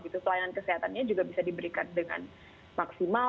pelayanan kesehatannya juga bisa diberikan dengan maksimal